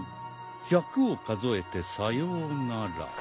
１００を数えてさようなら。